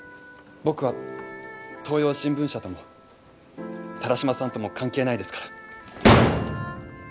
僕は東洋新聞社とも田良島さんとも関係ないですから。